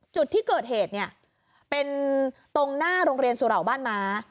จุดที่เกิดเหตุเนี่ยเป็นตรงหน้าโรงเรียนสุเหล่าบ้านม้า